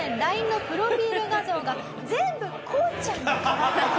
ＬＩＮＥのプロフィール画像が全部こうちゃんに。